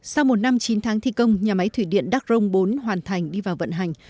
sau một năm chín tháng thi công nhà máy thủy điện đắc rông bốn hoàn thành đi vào vận hành